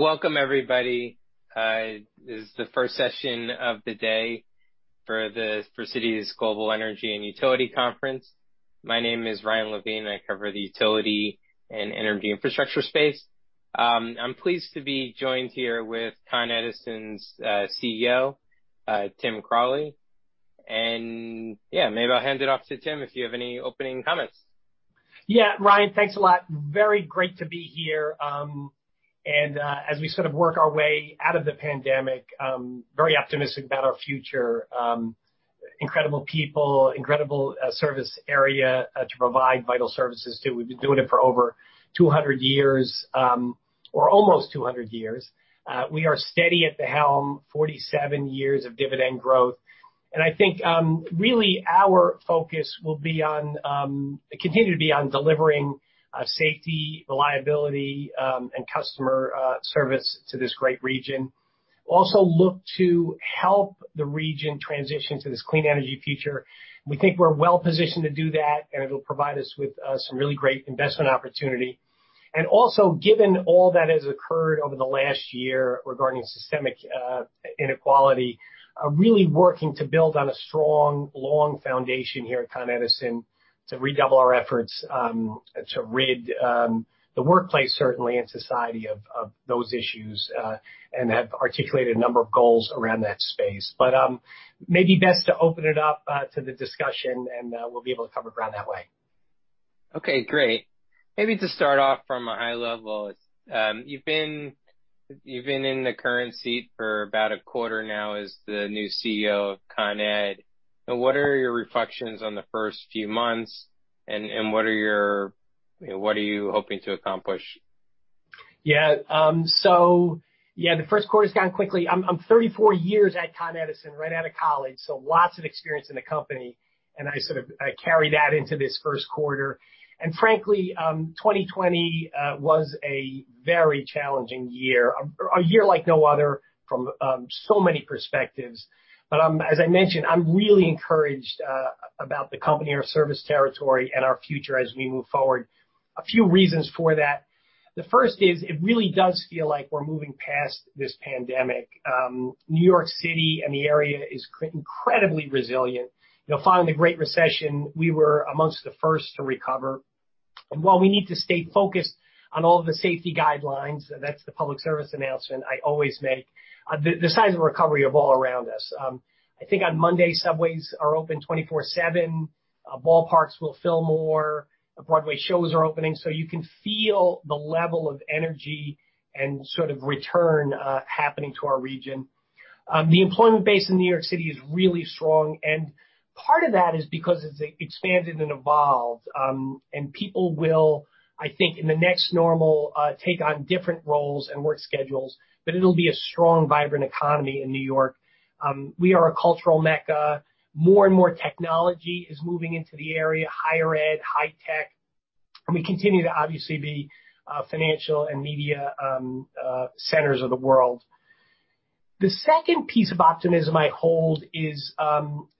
Welcome everybody. This is the first session of the day for the Citi Global Energy and Utilities Conference. My name is Ryan Levine, and I cover the utility and energy infrastructure space. I'm pleased to be joined here with Con Edison's CEO, Tim Cawley. Yeah, maybe I'll hand it off to Tim if you have any opening comments. Yeah. Ryan, thanks a lot. Very great to be here. As we sort of work our way out of the pandemic, very optimistic about our future. Incredible people, incredible service area, to provide vital services to. We've been doing it for over 200 years, or almost 200 years. We are steady at the helm, 47 years of dividend growth. I think, really our focus will continue to be on delivering safety, reliability, and customer service to this great region. Also look to help the region transition to this clean energy future. We think we're well-positioned to do that, and it'll provide us with some really great investment opportunity. Also, given all that has occurred over the last year regarding systemic inequality, really working to build on a strong, long foundation here at Con Edison to redouble our efforts, to rid the workplace certainly, and society of those issues, and have articulated a number of goals around that space. Maybe best to open it up to the discussion and we'll be able to cover ground that way. Okay, great. Maybe to start off from a high level, you've been in the current seat for about a quarter now as the new CEO of Con Edison. What are your reflections on the first few months and what are you hoping to accomplish? The first quarter's gone quickly. I'm 34 years at Con Edison, right out of college, lots of experience in the company, and I sort of carry that into this first quarter. Frankly, 2020 was a very challenging year. A year like no other from so many perspectives. As I mentioned, I'm really encouraged about the company or service territory and our future as we move forward. A few reasons for that. The first is it really does feel like we're moving past this pandemic. New York City and the area is incredibly resilient. Following the Great Recession, we were amongst the first to recover. While we need to stay focused on all of the safety guidelines, that's the public service announcement I always make, the signs of recovery are all around us. I think on Monday subways are open 24/7, ballparks will fill more, Broadway shows are opening. You can feel the level of energy and sort of return happening to our region. The employment base in New York City is really strong, and part of that is because it's expanded and evolved. People will, I think, in the next normal, take on different roles and work schedules, but it'll be a strong, vibrant economy in New York. We are a cultural mecca. More and more technology is moving into the area, higher ed, high tech. We continue to obviously be a financial and media centers of the world. The second piece of optimism I hold is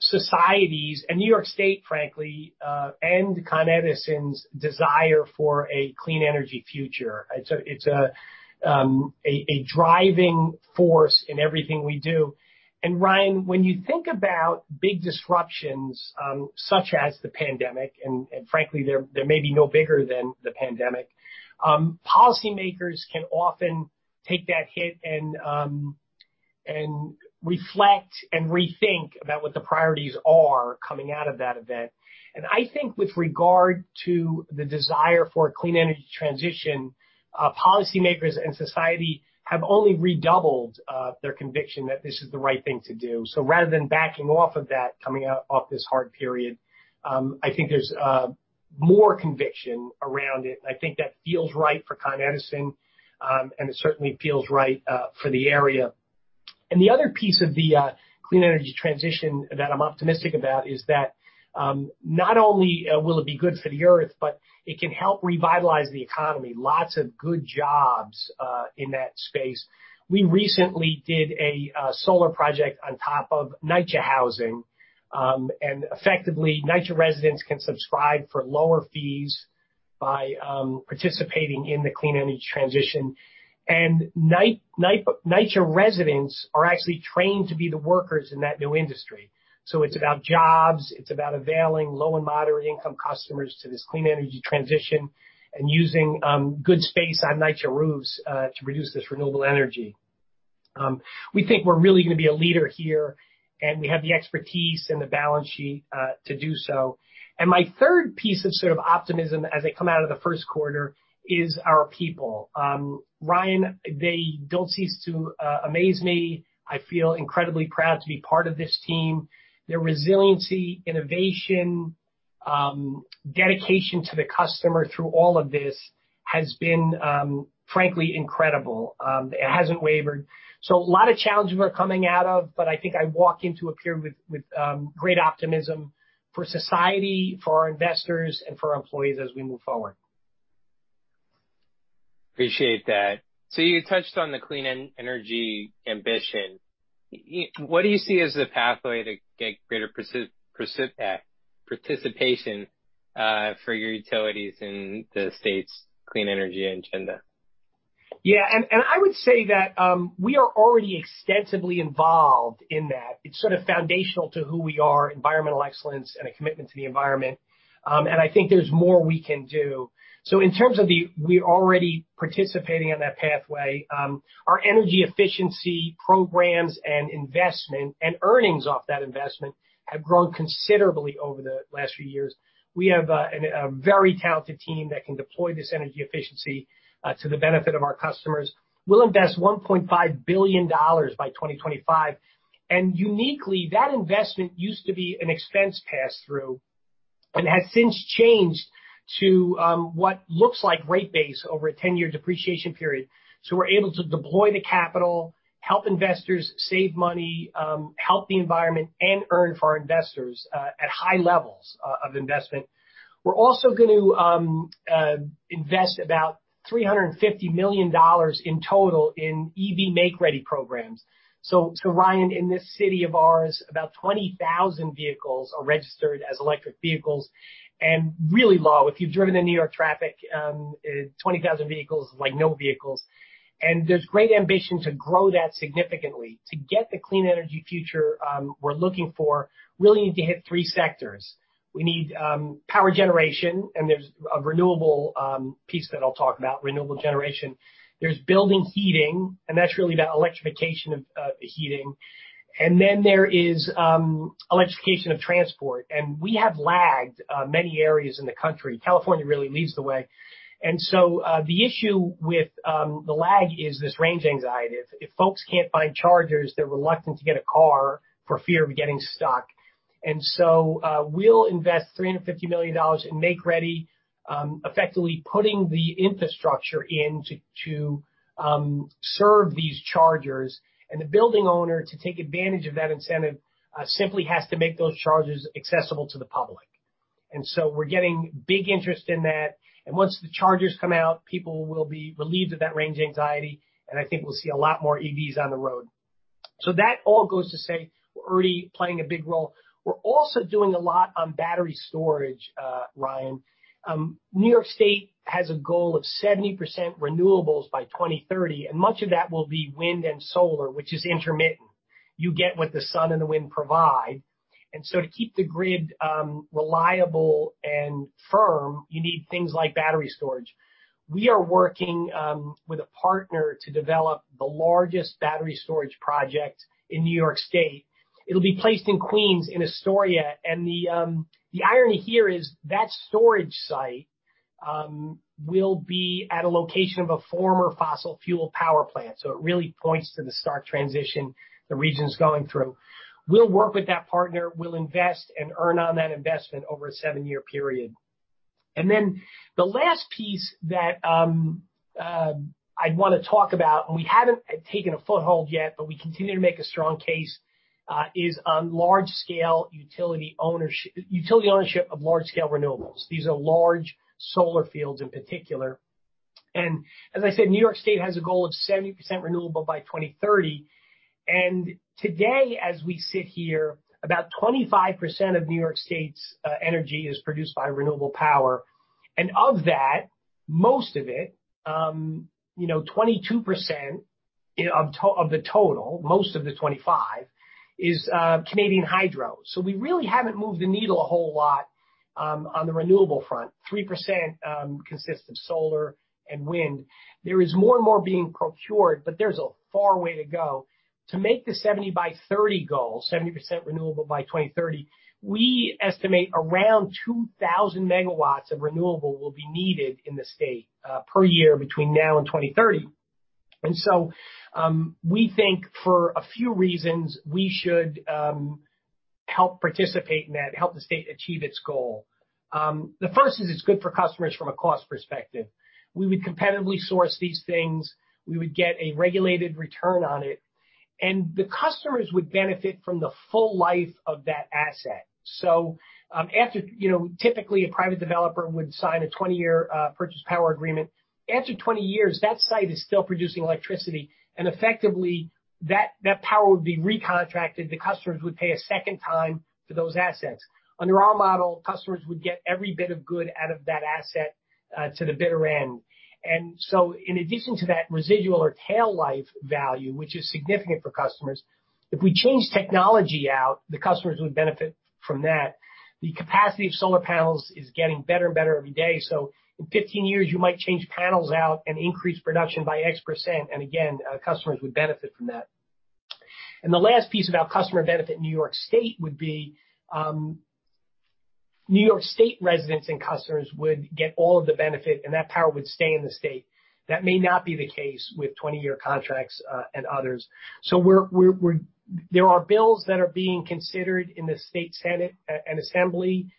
societies and New York State, frankly, and Con Edison's desire for a clean energy future. It's a driving force in everything we do. Ryan, when you think about big disruptions, such as the pandemic, frankly, there may be no bigger than the pandemic, policymakers can often take that hit and reflect and rethink about what the priorities are coming out of that event. I think with regard to the desire for a clean energy transition, policymakers and society have only redoubled their conviction that this is the right thing to do. Rather than backing off of that coming off this hard period, I think there's more conviction around it, and I think that feels right for Con Edison, and it certainly feels right for the area. The other piece of the clean energy transition that I'm optimistic about is that, not only will it be good for the Earth, but it can help revitalize the economy. Lots of good jobs in that space. We recently did a solar project on top of NYCHA housing. Effectively, NYCHA residents can subscribe for lower fees by participating in the clean energy transition. NYCHA residents are actually trained to be the workers in that new industry. It's about jobs, it's about availing low and moderate income customers to this clean energy transition and using good space on NYCHA roofs to produce this renewable energy. We think we're really going to be a leader here, and we have the expertise and the balance sheet to do so. My third piece of sort of optimism as I come out of the first quarter is our people. Ryan, they don't cease to amaze me. I feel incredibly proud to be part of this team. Their resiliency, innovation, dedication to the customer through all of this has been frankly incredible. It hasn't wavered. A lot of challenges we're coming out of, but I think I walk into a period with great optimism for society, for our investors, and for our employees as we move forward. Appreciate that. You touched on the clean energy ambition. What do you see as the pathway to get greater participation for your utilities in the state's clean energy agenda? Yeah, I would say that we are already extensively involved in that. It's sort of foundational to who we are, environmental excellence, and a commitment to the environment. I think there's more we can do. In terms of the, we are already participating in that pathway. Our energy efficiency programs and investment, and earnings off that investment, have grown considerably over the last few years. We have a very talented team that can deploy this energy efficiency to the benefit of our customers. We'll invest $1.5 billion by 2025. Uniquely, that investment used to be an expense pass-through, and has since changed to what looks like rate base over a 10-year depreciation period. We're able to deploy the capital, help investors save money, help the environment, and earn for our investors at high levels of investment. We're also going to invest about $350 million in total in EV Make-Ready programs. Ryan, in this city of ours, about 20,000 vehicles are registered as electric vehicles, really low. If you've driven the New York traffic, 20,000 vehicles is like no vehicles. There's great ambition to grow that significantly. To get the clean energy future we're looking for, we really need to hit three sectors. We need power generation, there's a renewable piece that I'll talk about, renewable generation. There's building heating, that's really about electrification of the heating. Then there is electrification of transport. We have lagged many areas in the country. California really leads the way. The issue with the lag is this range anxiety. If folks can't find chargers, they're reluctant to get a car for fear of getting stuck. We'll invest $350 million in Make-Ready, effectively putting the infrastructure in to serve these chargers. The building owner, to take advantage of that incentive, simply has to make those chargers accessible to the public. We're getting big interest in that. Once the chargers come out, people will be relieved of that range anxiety, and I think we'll see a lot more EVs on the road. That all goes to say we're already playing a big role. We're also doing a lot on battery storage, Ryan Levine. New York State has a goal of 70% renewables by 2030, and much of that will be wind and solar, which is intermittent. You get what the sun and the wind provide. To keep the grid reliable and firm, you need things like battery storage. We are working with a partner to develop the largest battery storage project in New York State. It'll be placed in Queens, in Astoria, and the irony here is that storage site will be at a location of a former fossil fuel power plant. It really points to the stark transition the region's going through. We'll work with that partner. We'll invest and earn on that investment over a seven-year period. The last piece that I'd want to talk about, and we haven't taken a foothold yet, but we continue to make a strong case, is on utility ownership of large-scale renewables. These are large solar fields in particular. As I said, New York State has a goal of 70% renewable by 2030. Today, as we sit here, about 25% of New York State's energy is produced by renewable power. Of that, most of it, 22% of the total, most of the 25, is Canadian hydro. We really haven't moved the needle a whole lot on the renewable front. 3% consists of solar and wind. There is more and more being procured, there's a far way to go. To make the 70 by 30 goal, 70% renewable by 2030, we estimate around 2,000 MW of renewable will be needed in the state per year between now and 2030. We think for a few reasons, we should help participate in that, help the state achieve its goal. The first is it's good for customers from a cost perspective. We would competitively source these things. We would get a regulated return on it. The customers would benefit from the full life of that asset. Typically a private developer would sign a 20-year purchase power agreement. After 20 years, that site is still producing electricity. Effectively, that power would be recontracted. The customers would pay a second time for those assets. Under our model, customers would get every bit of good out of that asset to the bitter end. In addition to that residual or tail life value, which is significant for customers, if we change technology out, the customers would benefit from that. The capacity of solar panels is getting better and better every day. In 15 years, you might change panels out and increase production by X%, and again, customers would benefit from that. The last piece about customer benefit in New York State would be New York State residents and customers would get all of the benefit, and that power would stay in the state. That may not be the case with 20-year contracts and others. There are bills that are being considered in the New York State Senate and New York State Assembly.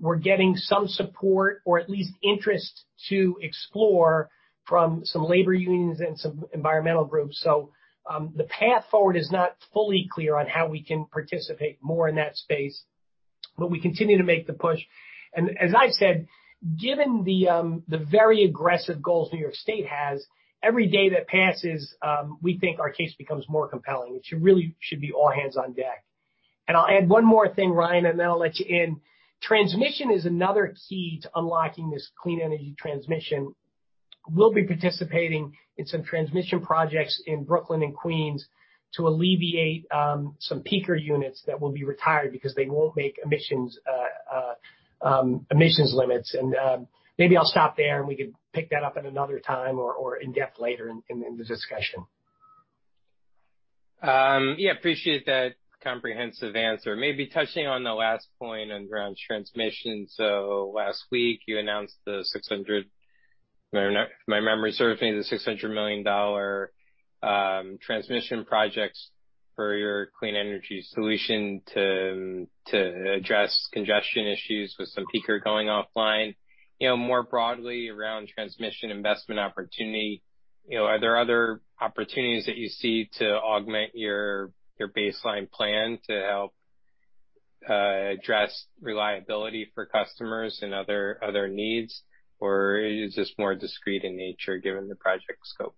We're getting some support or at least interest to explore from some labor unions and some environmental groups. The path forward is not fully clear on how we can participate more in that space. But we continue to make the push. As I've said, given the very aggressive goals New York State has, every day that passes, we think our case becomes more compelling. It really should be all hands on deck. I'll add one more thing, Ryan, and then I'll let you in. Transmission is another key to unlocking this clean energy transmission. We'll be participating in some transmission projects in Brooklyn and Queens to alleviate some peaker units that will be retired because they won't make emissions limits. Maybe I'll stop there, and we could pick that up at another time or in-depth later in the discussion. Yeah. Appreciate that comprehensive answer. Maybe touching on the last point around transmission. Last week you announced, if my memory serves me, the $600 million transmission projects for your New York Energy Solution to address congestion issues with some peaker going offline. More broadly around transmission investment opportunity, are there other opportunities that you see to augment your baseline plan to help address reliability for customers and other needs, or is this more discreet in nature given the project scope?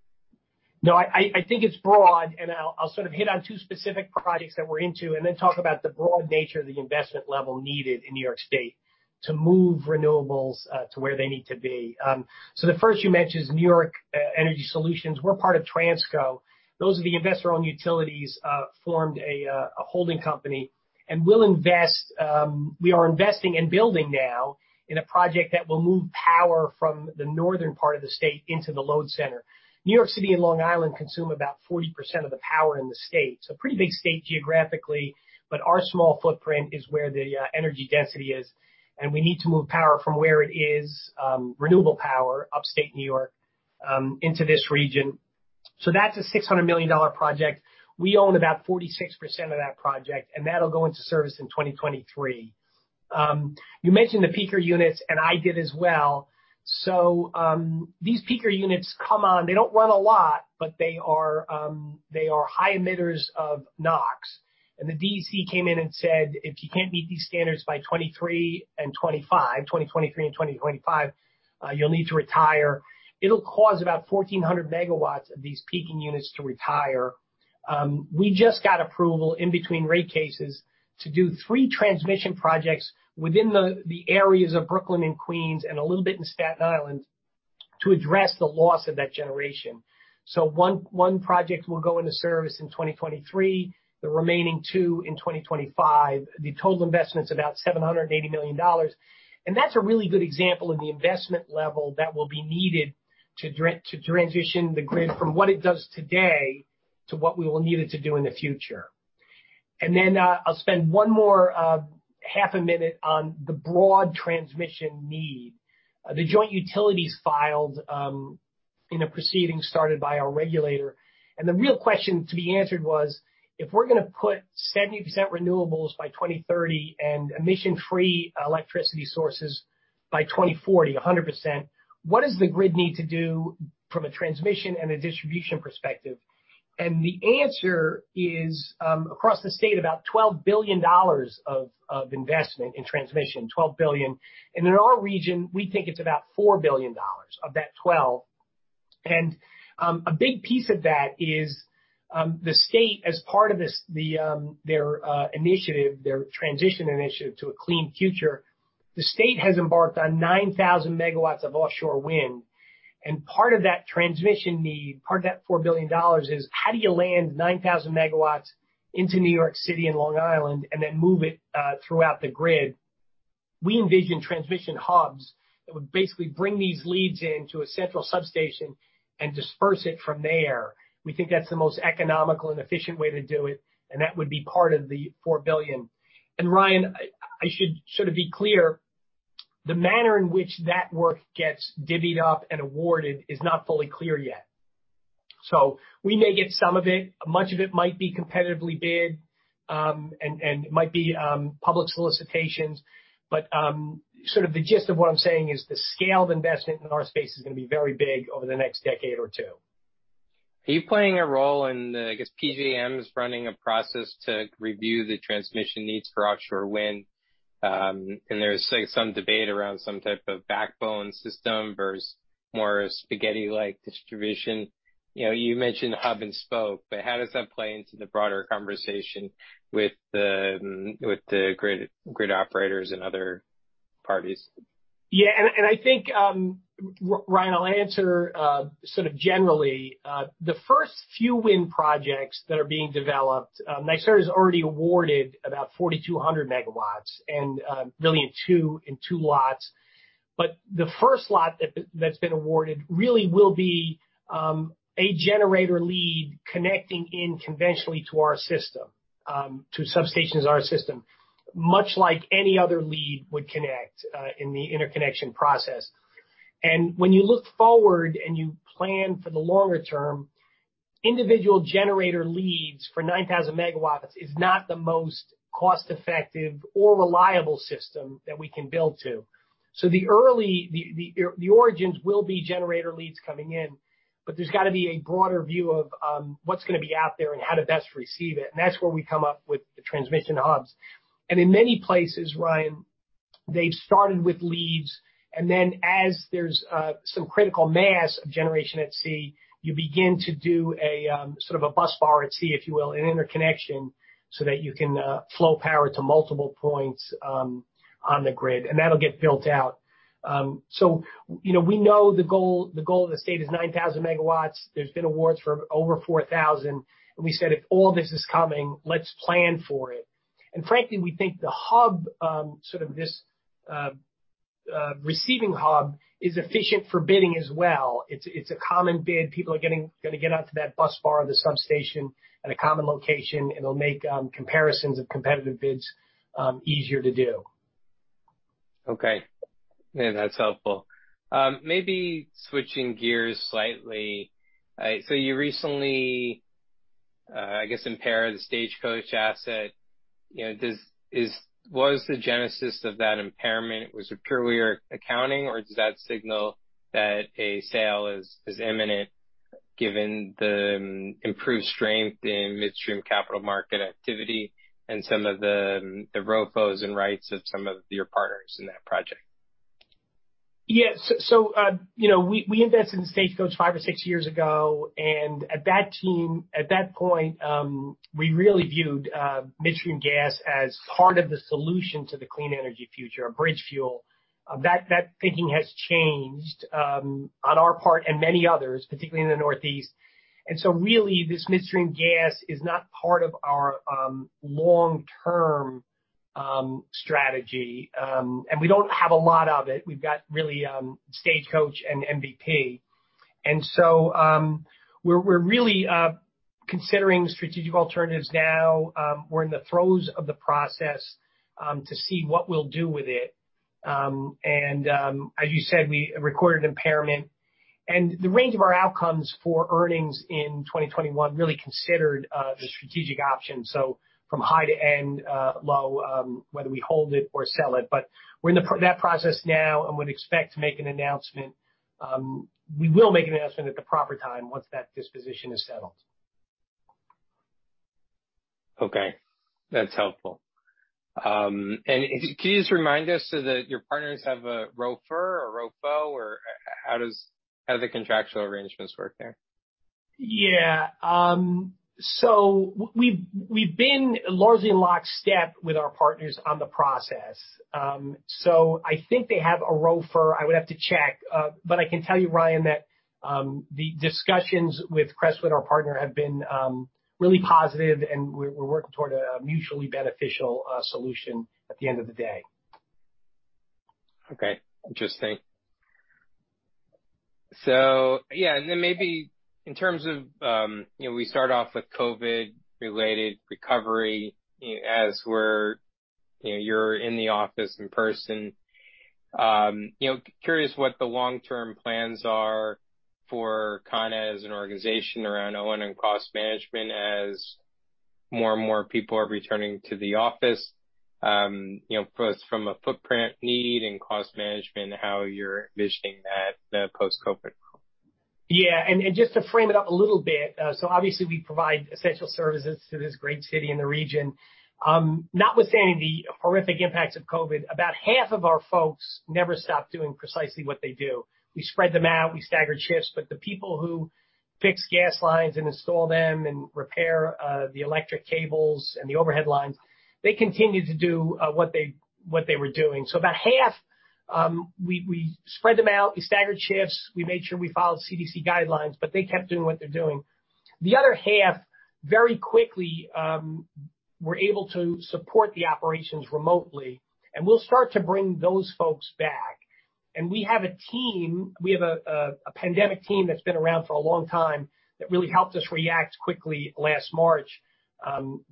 No, I think it's broad and I'll hit on two specific projects that we're into and then talk about the broad nature of the investment level needed in New York State to move renewables, to where they need to be. The first you mentioned is New York Energy Solution. We're part of Transco. Those are the investor-owned utilities, formed a holding company and we are investing and building now in a project that will move power from the northern part of the state into the load center. New York City and Long Island consume about 40% of the power in the state. It's a pretty big state geographically, but our small footprint is where the energy density is, and we need to move power from where it is, renewable power, upstate New York, into this region. That's a $600 million project. We own about 46% of that project, that'll go into service in 2023. You mentioned the peaker units, I did as well. These peaker units come on. They don't run a lot, they are high emitters of NOx. The DEC came in and said, "If you can't meet these standards by 2023 and 2025, 2023 and 2025, you'll need to retire." It'll cause about 1,400 MW of these peaking units to retire. We just got approval in between rate cases to do three transmission projects within the areas of Brooklyn and Queens and a little bit in Staten Island to address the loss of that generation. One project will go into service in 2023, the remaining two in 2025. The total investment's about $780 million. That's a really good example of the investment level that will be needed to transition the grid from what it does today to what we will need it to do in the future. I'll spend one more half a minute on the broad transmission need. The joint utilities filed in a proceeding started by our regulator. The real question to be answered was, if we're going to put 70% renewables by 2030 and emission-free electricity sources by 2040, 100%, what does the grid need to do from a transmission and a distribution perspective? The answer is, across the state, about $12 billion of investment in transmission, $12 billion. In our region, we think it's about $4 billion of that $12 billion. A big piece of that is, the state as part of their transition initiative to a clean future, the state has embarked on 9,000 megawatts of offshore wind. Part of that transmission need, part of that $4 billion is how do you land 9,000 megawatts into New York City and Long Island and then move it throughout the grid? We envision transmission hubs that would basically bring these leads into a central substation and disperse it from there. We think that's the most economical and efficient way to do it, and that would be part of the $4 billion. Ryan, I should sort of be clear, the manner in which that work gets divvied up and awarded is not fully clear yet. We may get some of it. Much of it might be competitively bid, and it might be public solicitations. The gist of what I'm saying is the scaled investment in our space is going to be very big over the next decade or two. Are you playing a role in the, I guess PJM is running a process to review the transmission needs for offshore wind? There's some debate around some type of backbone system versus more spaghetti-like distribution. You mentioned hub and spoke, how does that play into the broader conversation with the grid operators and other parties? Yeah. I think, Ryan, I'll answer generally. The first few wind projects that are being developed, NYSERDA's already awarded about 4,200 MW and really in two lots. The first lot that's been awarded really will be a generator lead connecting in conventionally to our system, to substations in our system, much like any other lead would connect, in the interconnection process. When you look forward and you plan for the longer term, individual generator leads for 9,000 MW is not the most cost-effective or reliable system that we can build to. The origins will be generator leads coming in, but there's got to be a broader view of what's going to be out there and how to best receive it, and that's where we come up with the transmission hubs. In many places, Ryan, they've started with leads, and then as there's some critical mass of generation at sea, you begin to do a sort of a bus bar at sea, if you will, an interconnection, so that you can flow power to multiple points on the grid, and that'll get built out. We know the goal of the state is 9,000 MW. There's been awards for over 4,000 MW. We said, "If all this is coming, let's plan for it." Frankly, we think the receiving hub is efficient for bidding as well. It's a common bid. People are going to get out to that bus bar or the substation at a common location. It'll make comparisons of competitive bids easier to do. Okay. Yeah, that's helpful. Maybe switching gears slightly. You recently, I guess, impaired the Stagecoach asset. Was the genesis of that impairment, was it purely accounting or does that signal that a sale is imminent given the improved strength in midstream capital market activity and some of the ROFOs and rights of some of your partners in that project? Yeah. We invested in Stagecoach five or six years ago, and at that point, we really viewed midstream gas as part of the solution to the clean energy future, a bridge fuel. That thinking has changed on our part and many others, particularly in the Northeast. Really, this midstream gas is not part of our long-term strategy. We don't have a lot of it. We've got really Stagecoach and MVP. We're really considering strategic alternatives now. We're in the throes of the process to see what we'll do with it. As you said, we recorded impairment. The range of our outcomes for earnings in 2021 really considered the strategic option. From high to end low, whether we hold it or sell it. We're in that process now and would expect to make an announcement. We will make an announcement at the proper time once that disposition is settled. Okay. That's helpful. Can you just remind us, so that your partners have a ROFR or ROFO? How do the contractual arrangements work there? We've been largely in lockstep with our partners on the process. I think they have a ROFR. I would have to check. But I can tell you, Ryan, that the discussions with Crestwood, our partner, have been really positive, and we're working toward a mutually beneficial solution at the end of the day. Okay. Interesting. Yeah, and then maybe in terms of we start off with COVID-related recovery as you're in the office in person. Curious what the long-term plans are for Con Edison as an organization around O&M and cost management as more and more people are returning to the office. Both from a footprint need and cost management, how you're envisioning that post-COVID. Yeah. Just to frame it up a little bit, so obviously, we provide essential services to this great city and the region. Notwithstanding the horrific impacts of COVID, about half of our folks never stopped doing precisely what they do. We spread them out, we staggered shifts, but the people who fix gas lines and install them and repair the electric cables and the overhead lines, they continued to do what they were doing. About half, we spread them out, we staggered shifts, we made sure we followed CDC guidelines, but they kept doing what they were doing. The other half, very quickly, were able to support the operations remotely, and we'll start to bring those folks back. We have a pandemic team that's been around for a long time that really helped us react quickly last March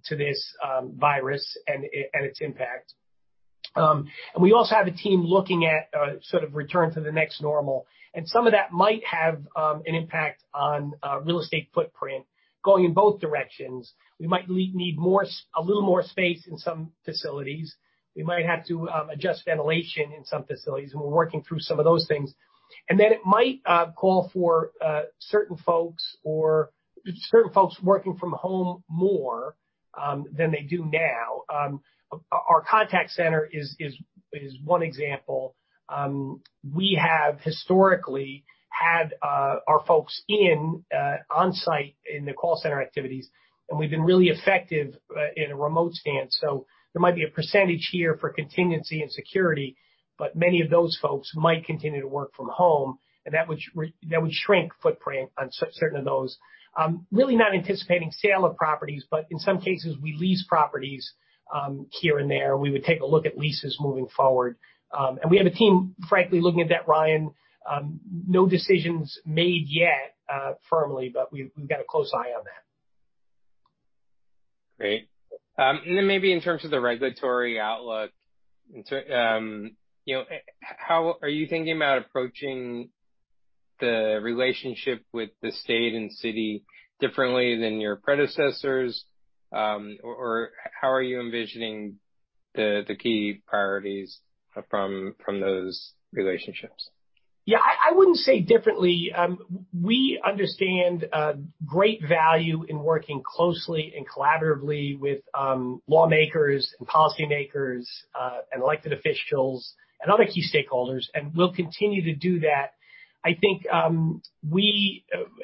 to this virus and its impact. We also have a team looking at sort of return to the next normal, and some of that might have an impact on real estate footprint going in both directions. We might need a little more space in some facilities. We might have to adjust ventilation in some facilities, and we're working through some of those things. Then it might call for certain folks working from home more than they do now. Our contact center is one example. We have historically had our folks in on-site in the call center activities, and we've been really effective in a remote stance. There might be a percentage here for contingency and security, but many of those folks might continue to work from home, and that would shrink footprint on certain of those. Really not anticipating sale of properties, but in some cases, we lease properties here and there. We would take a look at leases moving forward. We have a team, frankly, looking at that, Ryan. No decisions made yet firmly, but we've got a close eye on that. Great. Maybe in terms of the regulatory outlook, are you thinking about approaching the relationship with the state and city differently than your predecessors? How are you envisioning the key priorities from those relationships? Yeah, I wouldn't say differently. We understand great value in working closely and collaboratively with lawmakers and policymakers, and elected officials and other key stakeholders, and we'll continue to do that. I think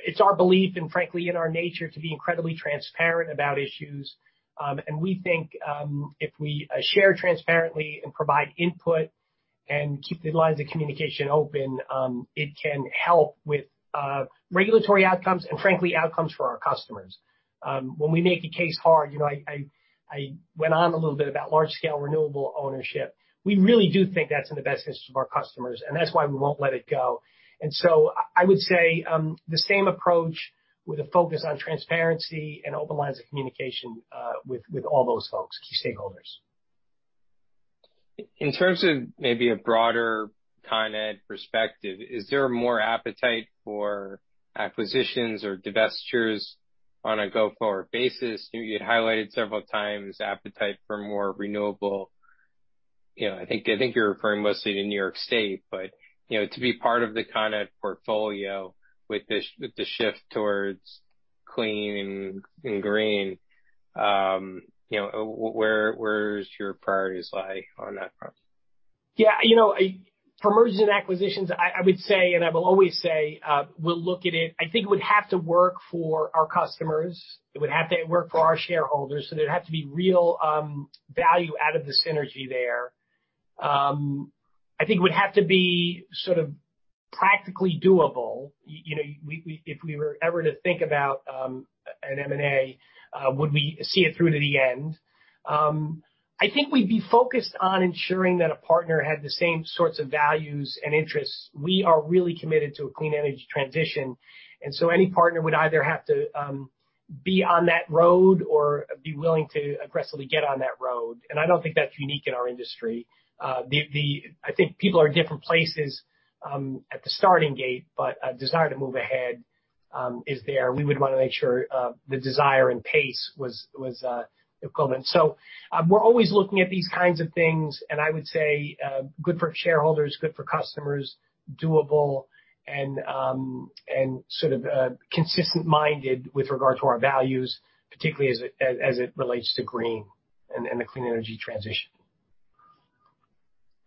it's our belief and frankly in our nature to be incredibly transparent about issues. We think if we share transparently and provide input and keep the lines of communication open, it can help with regulatory outcomes and frankly, outcomes for our customers. When we make a case hard, I went on a little bit about large-scale renewable ownership. We really do think that's in the best interest of our customers, and that's why we won't let it go. I would say, the same approach with a focus on transparency and open lines of communication, with all those folks, key stakeholders. In terms of maybe a broader Con Ed perspective, is there more appetite for acquisitions or divestitures on a go-forward basis? You had highlighted several times appetite for more renewable. I think you're referring mostly to New York State, but to be part of the Con Ed portfolio with the shift towards clean and green, where's your priorities lie on that front? Yeah. For mergers and acquisitions, I would say and I will always say, we'll look at it. I think it would have to work for our customers. It would have to work for our shareholders, so there'd have to be real value out of the synergy there. I think it would have to be sort of practically doable. If we were ever to think about an M&A, would we see it through to the end? I think we'd be focused on ensuring that a partner had the same sorts of values and interests. We are really committed to a clean energy transition. Any partner would either have to be on that road or be willing to aggressively get on that road. I don't think that's unique in our industry. I think people are in different places at the starting gate, but a desire to move ahead is there. We would want to make sure the desire and pace was equivalent. We're always looking at these kinds of things, and I would say good for shareholders, good for customers, doable, and sort of consistent-minded with regard to our values, particularly as it relates to green and the clean energy transition.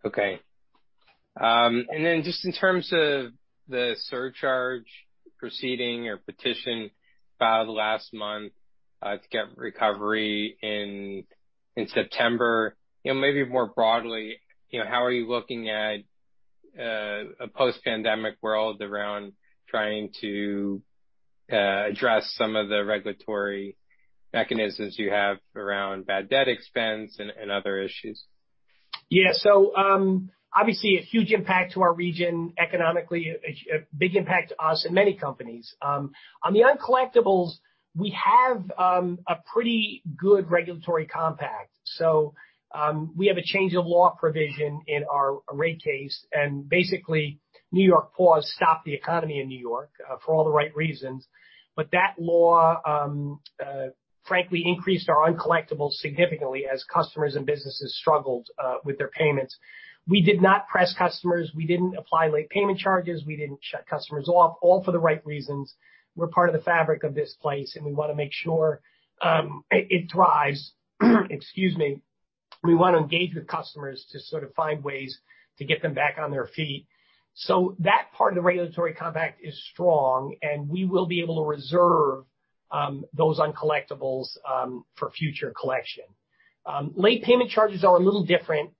Okay. Just in terms of the surcharge proceeding or petition filed last month, to get recovery in September, maybe more broadly, how are you looking at a post-pandemic world around trying to address some of the regulatory mechanisms you have around bad debt expense and other issues? Yeah. Obviously a huge impact to our region economically, a big impact to us and many companies. On the uncollectables, we have a pretty good regulatory compact. We have a change of law provision in our rate case, and basically, New York State on PAUSE stopped the economy in New York, for all the right reasons. That law frankly increased our uncollectables significantly as customers and businesses struggled with their payments. We did not press customers. We didn't apply late payment charges. We didn't shut customers off, all for the right reasons. We're part of the fabric of this place, and we want to make sure it thrives. Excuse me. We want to engage with customers to sort of find ways to get them back on their feet. That part of the regulatory compact is strong, and we will be able to reserve those uncollectables for future collection. Late payment charges are a little different.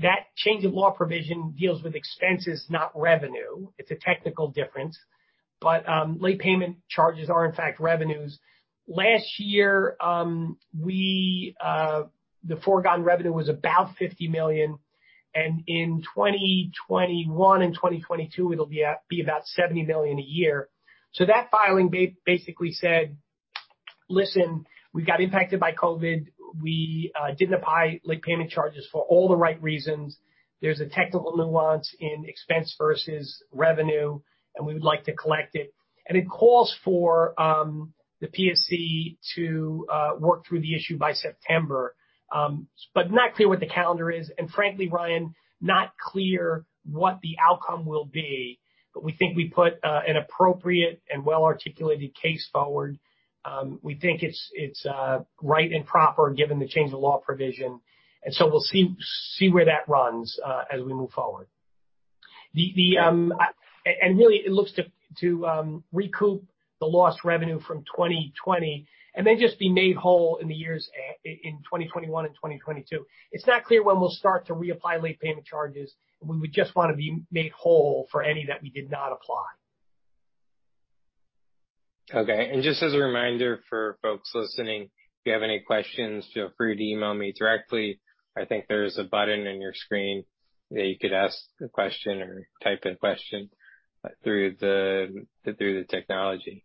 That change of law provision deals with expenses, not revenue. It's a technical difference, late payment charges are in fact revenues. Last year, the foregone revenue was about $50 million, and in 2021 and 2022, it'll be about $70 million a year. That filing basically said, "Listen, we got impacted by COVID. We didn't apply late payment charges for all the right reasons. There's a technical nuance in expense versus revenue, and we would like to collect it." It calls for the PSC to work through the issue by September. Not clear what the calendar is, and frankly, Ryan, not clear what the outcome will be. We think we put an appropriate and well-articulated case forward. We think it's right and proper given the change of law provision, and so we'll see where that runs as we move forward. Really it looks to recoup the lost revenue from 2020 and then just be made whole in the years in 2021 and 2022. It's not clear when we'll start to reapply late payment charges, and we would just want to be made whole for any that we did not apply. Just as a reminder for folks listening, if you have any questions, feel free to email me directly. I think there's a button on your screen that you could ask a question or type a question through the technology.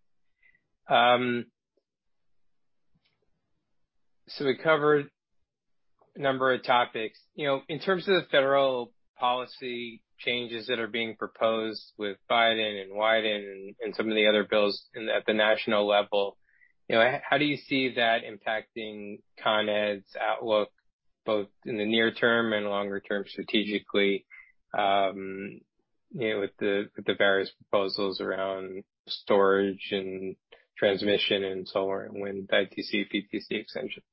We covered a number of topics. In terms of the federal policy changes that are being proposed with Biden and Wyden and some of the other bills at the national level, how do you see that impacting Con Edison's outlook both in the near term and longer term strategically, with the various proposals around storage and transmission and solar and wind, ITC, PTC extension?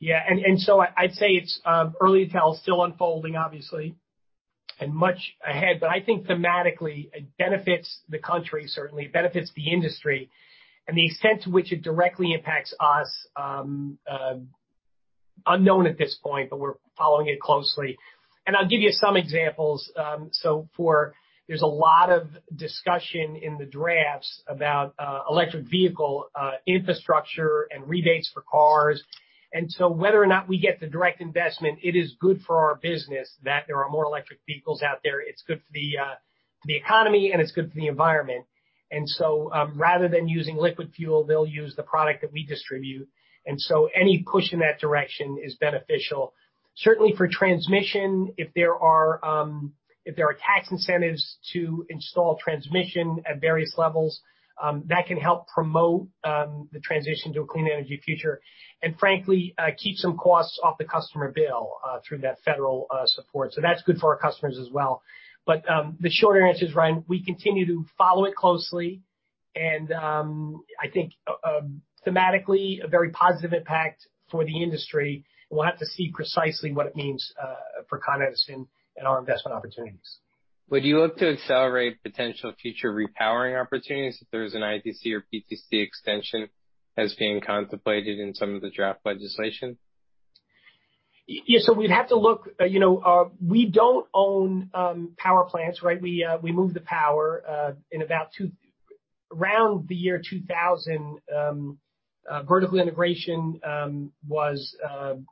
Yeah. I'd say it's early tell, still unfolding obviously, and much ahead. I think thematically, it benefits the country, certainly it benefits the industry. The extent to which it directly impacts us, unknown at this point, but we're following it closely. I'll give you some examples. There's a lot of discussion in the drafts about electric vehicle infrastructure and rebates for cars. Whether or not we get the direct investment, it is good for our business that there are more electric vehicles out there. It's good for the economy, and it's good for the environment. Rather than using liquid fuel, they'll use the product that we distribute. Any push in that direction is beneficial. Certainly for transmission, if there are tax incentives to install transmission at various levels, that can help promote the transition to a clean energy future, and frankly, keep some costs off the customer bill through that federal support. That's good for our customers as well. The shorter answer is, Ryan, we continue to follow it closely, and I think thematically, a very positive impact for the industry, and we'll have to see precisely what it means for Con Edison and our investment opportunities. Would you look to accelerate potential future repowering opportunities if there is an ITC or PTC extension as being contemplated in some of the draft legislation? Yes. We'd have to look. We don't own power plants, right? We move the power. In about around the year 2000, vertical integration was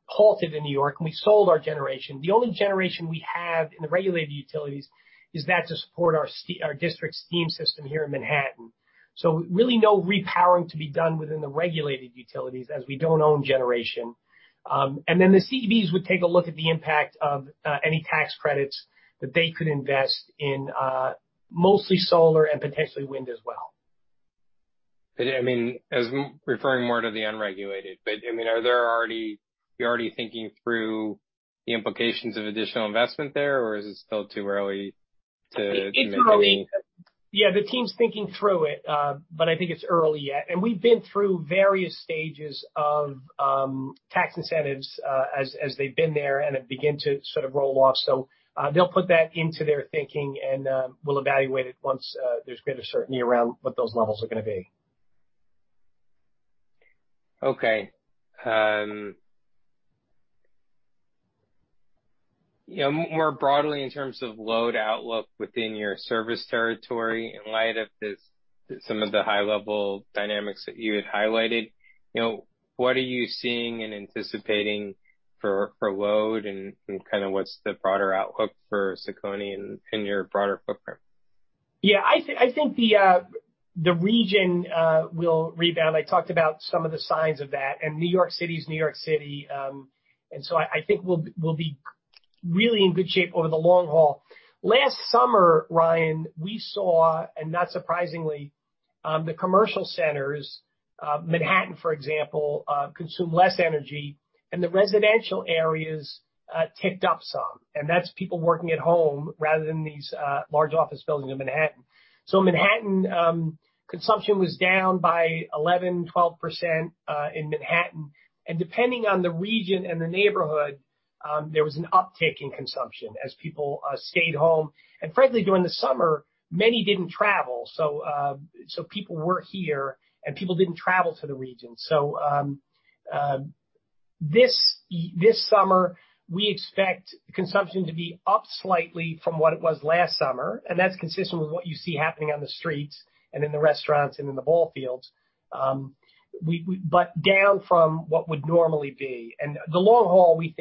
halted in New York, and we sold our generation. The only generation we have in the regulated utilities is that to support our district steam system here in Manhattan. Really no repowering to be done within the regulated utilities as we don't own generation. The CEBs would take a look at the impact of any tax credits that they could invest in mostly solar and potentially wind as well. I was referring more to the unregulated. You're already thinking through the implications of additional investment there, or is it still too early to make any? It's early. Yeah, the team's thinking through it, but I think it's early yet. We've been through various stages of tax incentives as they've been there and have begin to sort of roll off. They'll put that into their thinking and we'll evaluate it once there's greater certainty around what those levels are going to be. Okay. More broadly, in terms of load outlook within your service territory, in light of some of the high-level dynamics that you had highlighted, what are you seeing and anticipating for load, and kind of what's the broader outlook for CECONY in your broader footprint? Yeah. I think the region will rebound. I talked about some of the signs of that. New York City is New York City, and so I think we'll be really in good shape over the long haul. Last summer, Ryan, we saw, and not surprisingly, the commercial centers, Manhattan, for example, consume less energy and the residential areas ticked up some, and that's people working at home rather than these large office buildings in Manhattan. Manhattan, consumption was down by 11%, 12% in Manhattan. Depending on the region and the neighborhood, there was an uptick in consumption as people stayed home. Frankly, during the summer, many didn't travel. People were here and people didn't travel to the region. This summer, we expect consumption to be up slightly from what it was last summer, and that's consistent with what you see happening on the streets and in the restaurants and in the ball fields. Down from what would normally be. The long haul, we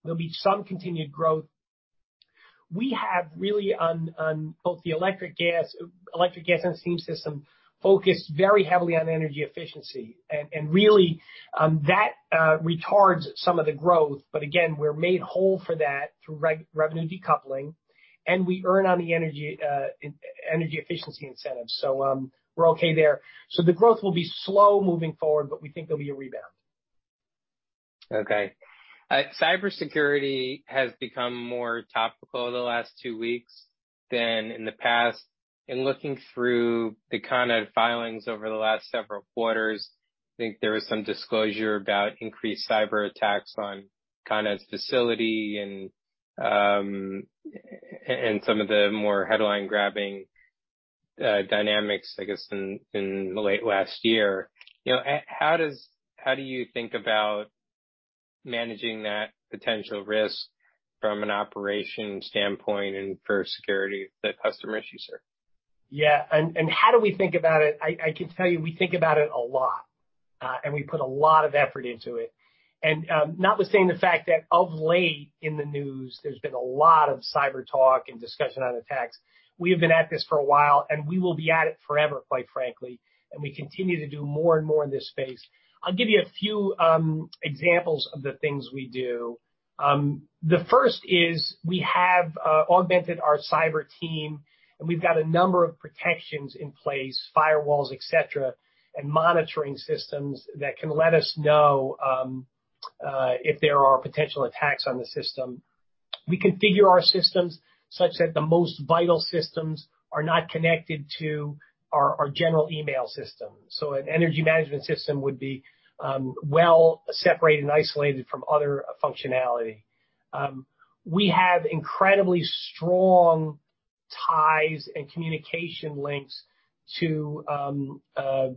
think there'll be some continued growth. We have really on both the electric gas and steam system, focus very heavily on energy efficiency. Really, that retards some of the growth. Again, we're made whole for that through revenue decoupling, and we earn on the energy efficiency incentives. We're okay there. The growth will be slow moving forward, but we think there'll be a rebound. Okay. Cybersecurity has become more topical the last two weeks than in the past. In looking through the Con Ed filings over the last several quarters, I think there was some disclosure about increased cyberattacks on Con Edison's facility and some of the more headline-grabbing dynamics, I guess, in late last year. How do you think about managing that potential risk from an operations standpoint and for security, the customer issue, sir? Yeah. How do we think about it? I can tell you, we think about it a lot, and we put a lot of effort into it. Notwithstanding the fact that of late in the news, there's been a lot of cyber talk and discussion on attacks. We have been at this for a while, and we will be at it forever, quite frankly, and we continue to do more and more in this space. I'll give you a few examples of the things we do. The first is we have augmented our cyber team, and we've got a number of protections in place, firewalls, et cetera, and monitoring systems that can let us know if there are potential attacks on the system. We configure our systems such that the most vital systems are not connected to our general email system. An energy management system would be well separated and isolated from other functionality. We have incredibly strong ties and communication links to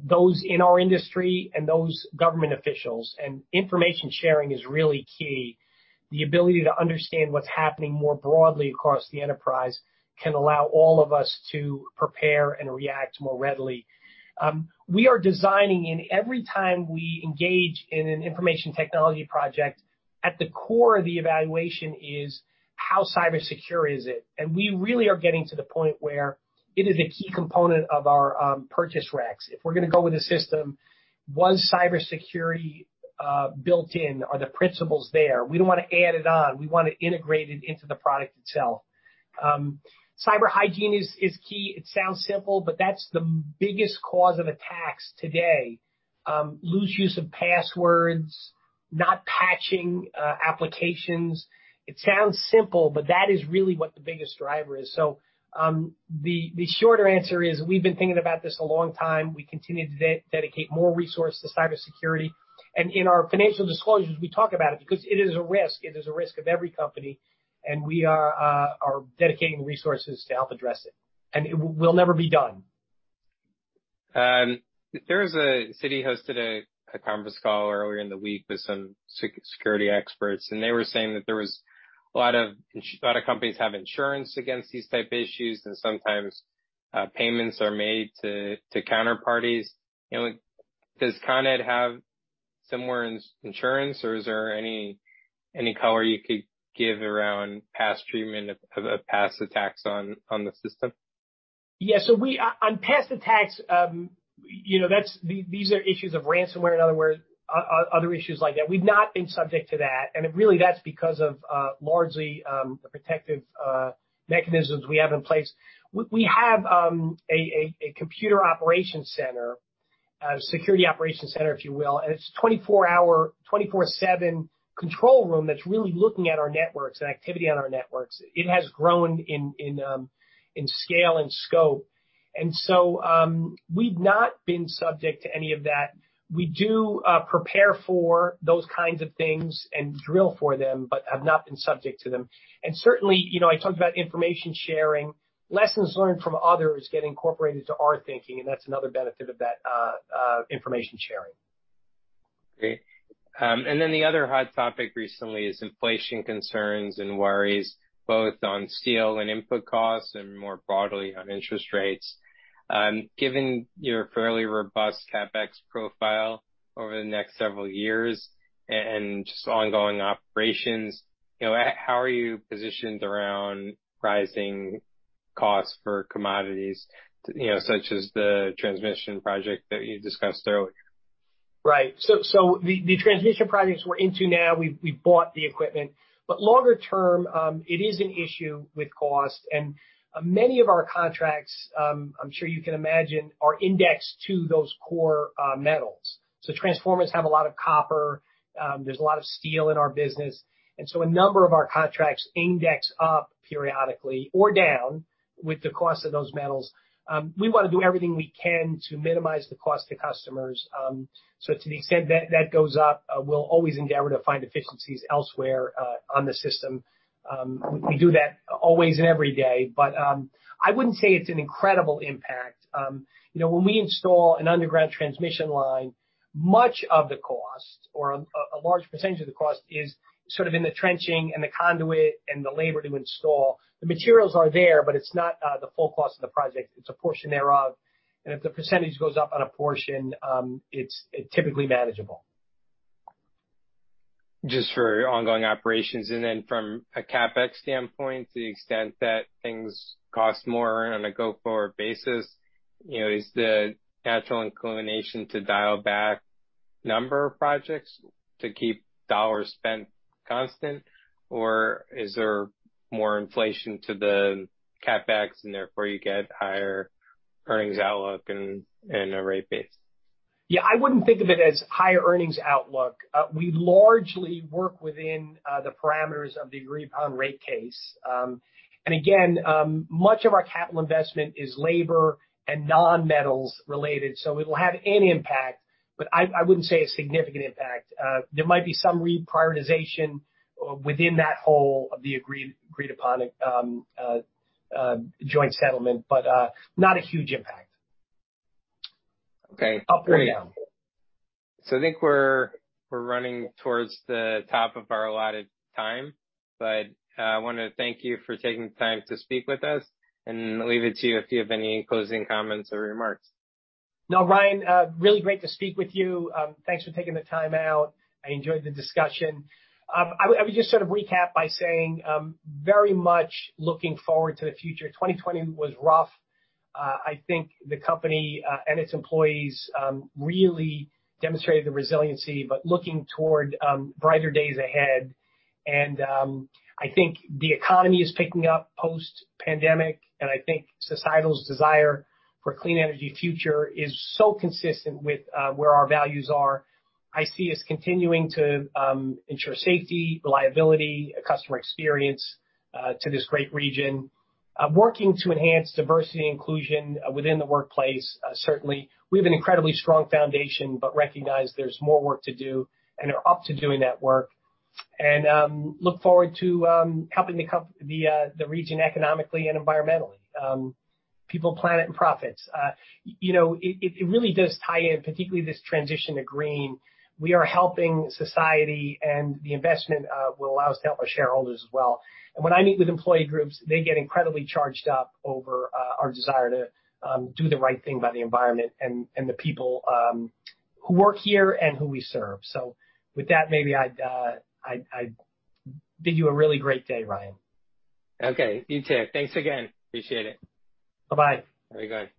those in our industry and those government officials. Information sharing is really key. The ability to understand what's happening more broadly across the enterprise can allow all of us to prepare and react more readily. We are designing in every time we engage in an information technology project, at the core of the evaluation is how cyber secure is it? We really are getting to the point where it is a key component of our purchase reqs. If we're going to go with a system, was cybersecurity built in? Are the principles there? We don't want to add it on. We want to integrate it into the product itself. Cyber hygiene is key. It sounds simple, but that's the biggest cause of attacks today. Loose use of passwords, not patching applications. It sounds simple, but that is really what the biggest driver is. The shorter answer is we've been thinking about this a long time. We continue to dedicate more resource to cybersecurity. In our financial disclosures, we talk about it because it is a risk. It is a risk of every company, and we are dedicating the resources to help address it. It will never be done. There is a Citi hosted a conference call earlier in the week with some security experts, and they were saying that there was a lot of companies have insurance against these type of issues, and sometimes payments are made to counterparties. Does Con Edison have similar insurance or is there any color you could give around past treatment of past attacks on the system? On past attacks, these are issues of ransomware and other issues like that. We've not been subject to that. Really that's because of largely the protective mechanisms we have in place. We have a computer operations center, security operations center, if you will. It's 24-hour, 24/7 control room that's really looking at our networks and activity on our networks. It has grown in scale and scope. We've not been subject to any of that. We do prepare for those kinds of things and drill for them, but have not been subject to them. Certainly, I talked about information sharing. Lessons learned from others get incorporated to our thinking, and that's another benefit of that information sharing. Great. The other hot topic recently is inflation concerns and worries both on steel and input costs and more broadly on interest rates. Given your fairly robust CapEx profile over the next several years and just ongoing operations, how are you positioned around rising costs for commodities such as the transmission project that you discussed earlier? Right. The transmission projects we're into now, we bought the equipment. Longer term, it is an issue with cost. Many of our contracts, I'm sure you can imagine, are indexed to those core metals. Transformers have a lot of copper. There's a lot of steel in our business, a number of our contracts index up periodically or down with the cost of those metals. We want to do everything we can to minimize the cost to customers. To the extent that that goes up, we'll always endeavor to find efficiencies elsewhere on the system. We do that always and every day. I wouldn't say it's an incredible impact. When we install an underground transmission line, much of the cost or a large percentage of the cost is sort of in the trenching and the conduit and the labor to install. The materials are there, but it's not the full cost of the project. It's a portion thereof. If the percentage goes up on a portion, it's typically manageable. Just for ongoing operations and then from a CapEx standpoint, to the extent that things cost more on a go-forward basis, is the natural inclination to dial back number of projects to keep dollars spent constant? Is there more inflation to the CapEx and therefore you get higher earnings outlook and a rate base? Yeah, I wouldn't think of it as higher earnings outlook. We largely work within the parameters of the agreed-upon rate case. Again, much of our capital investment is labor and non-metals related, so it'll have an impact, but I wouldn't say a significant impact. There might be some reprioritization within that whole of the agreed-upon joint settlement, but not a huge impact. Okay. Up or down. I think we're running towards the top of our allotted time, but I want to thank you for taking the time to speak with us and leave it to you if you have any closing comments or remarks. No, Ryan, really great to speak with you. Thanks for taking the time out. I enjoyed the discussion. I would just sort of recap by saying very much looking forward to the future. 2020 was rough. I think the company and its employees really demonstrated the resiliency, but looking toward brighter days ahead. I think the economy is picking up post-pandemic, and I think societal's desire for a clean energy future is so consistent with where our values are. I see us continuing to ensure safety, reliability, customer experience to this great region. Working to enhance diversity and inclusion within the workplace. Certainly, we have an incredibly strong foundation, but recognize there's more work to do and are up to doing that work. Look forward to helping the region economically and environmentally. People, planet, and profits. It really does tie in, particularly this transition to green. We are helping society, the investment will allow us to help our shareholders as well. When I meet with employee groups, they get incredibly charged up over our desire to do the right thing by the environment and the people who work here and who we serve. With that, maybe I bid you a really great day, Ryan. Okay. You too. Thanks again. Appreciate it. Bye-bye. Very good.